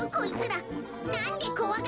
なんでこわがらないの？